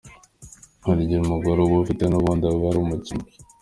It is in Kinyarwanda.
Hari ighe umugore uba ufite n´ubundi aba yari umukinnyi.